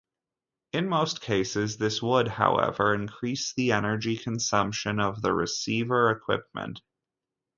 In most cases, this would however increase the energy consumption of the receiver equipment.